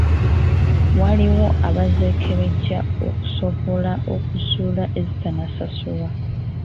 Waliwo abaazeekebejjanga okusobola okuzuula ezitannasasula .